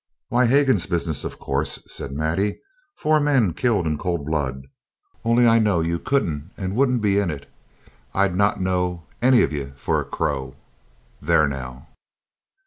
'Why, Hagan's business, of course,' says Maddie; 'four men killed in cold blood. Only I know you couldn't and wouldn't be in it I'd not know any of ye from a crow. There now.'